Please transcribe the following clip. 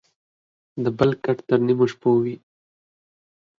دبل کټ تر نيمو شپو وى.